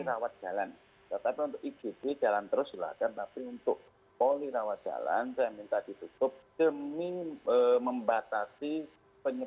pihak rumah sakit qem menyatakan akan dilakukan mulai sabtu sembilan mei hingga delapan belas mei